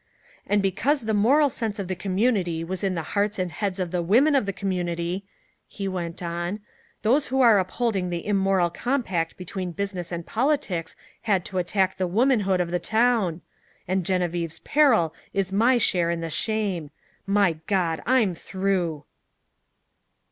"And because the moral sense of the community was in the hearts and heads of the women of the community," he went on, "those who are upholding the immoral compact between business and politics had to attack the womanhood of the town and Genevieve's peril is my share in the shame. By God, I'm through!"